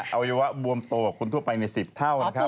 เอาไว้ว่าบวมโตกับคนทั่วไปใน๑๐เท่านะครับ